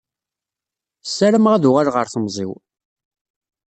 Ssarameɣ ad uɣaleɣ ar temẓi-w.